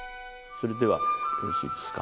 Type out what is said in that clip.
それではよろしいですか？